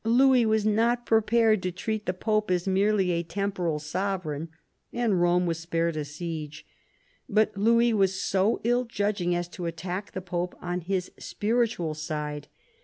Louis was not prepared to treat the Pope as merely a temporal sovereign, and Eome was spared a siege. But Louis was so ill judging as to attack the Pope on his spiritual side.